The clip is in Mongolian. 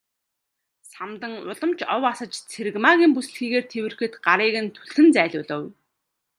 Самдан улам ч ов асаж Цэрэгмаагийн бүсэлхийгээр тэврэхэд гарыг нь түлхэн зайлуулав.